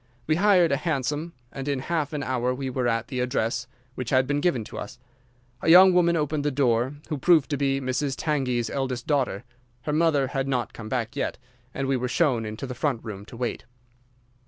We hired a hansom, and in half an hour we were at the address which had been given to us. A young woman opened the door, who proved to be Mrs. Tangey's eldest daughter. Her mother had not come back yet, and we were shown into the front room to wait.